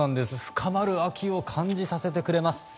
深まる秋を感じさせてくれます。